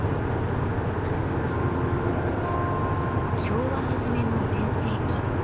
昭和初めの全盛期